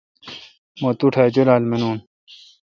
مہ توٹھ اؘ جولال مانون۔